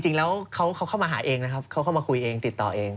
จริงแล้วเขาเข้ามาหาเองนะครับเขาเข้ามาคุยเองติดต่อเอง